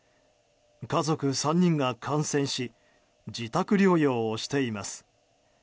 家族３人が感染し自宅療養をしています。